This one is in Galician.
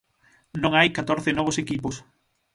Non hai catorce novos equipos.